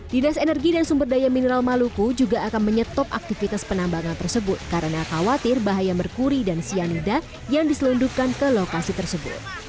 dinas energi dan sumber daya mineral maluku juga akan menyetop aktivitas penambangan tersebut karena khawatir bahaya merkuri dan cyanida yang diselundupkan ke lokasi tersebut